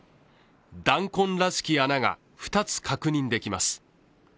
弾痕らしき穴が２つ確認できます。